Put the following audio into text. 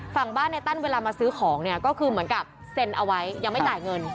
ฝั่งบ้านในตั้นเวลามาซื้อของเนี่ยก็คือเหมือนกับเซ็นเอาไว้ยังไม่จ่ายเงิน